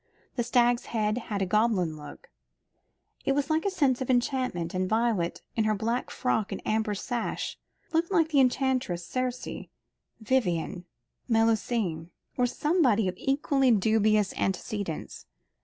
The stags' heads had a goblin look. It was like a scene of enchantment, and Violet, in her black frock and amber sash, looked like the enchantress Circe, Vivien, Melusine, or somebody of equally dubious antecedents.